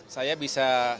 saya bisa berbisnis